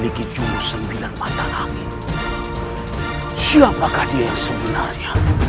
aku akan menemukan sosok asli